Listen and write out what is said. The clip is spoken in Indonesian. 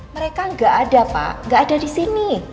mereka gak ada pak gak ada disini